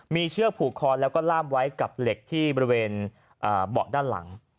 มีเชือกผูกคอแล้วก็ล่ามไว้กับเหล็กที่บริเวณเบาะด้านหลัง